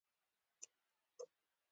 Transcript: غیرت د سولي خوښونکی دی